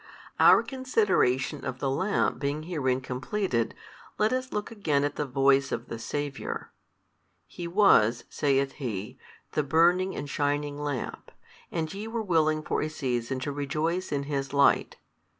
|291 Our consideration of the lamp being herein completed, let us look again at the Voice of the Saviour. He was (saith He) the burning and shining lamp, and YE were willing for a season to rejoice in his light.